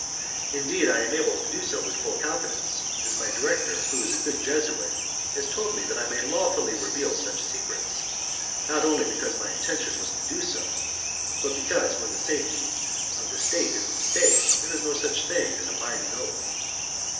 Indeed, I am able to do so with full confidence, as my director who is a good Jesuit has told me that I may lawfully reveal such secrets, not only because my intention was to do so, but because, when the safety of the state is at stake, there is no such thing as a binding oath.